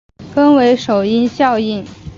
分为首因效应。